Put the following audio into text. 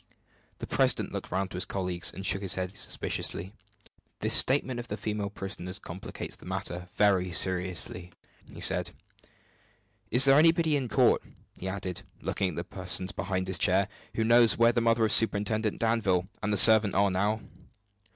The president looked round at his colleagues, and shook his head suspiciously. "This statement of the female prisoner's complicates the matter very seriously," said he. "Is there anybody in court," he added, looking at the persons behind his chair, "who knows where the mother of Superintendent Danville and the servant are now?"